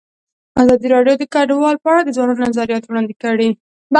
ازادي راډیو د کډوال په اړه د ځوانانو نظریات وړاندې کړي.